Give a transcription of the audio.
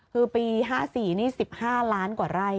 คือปี๕๔นี่๑๕ล้านกว่าไร่